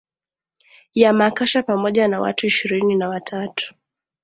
ya makasha pamoja na watu ishirini na wa tatu